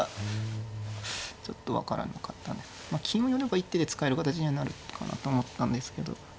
金を寄れば一手で使える形にはなるかなと思ってたんですけど。